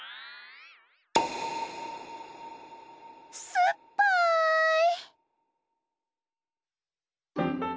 すっぱい！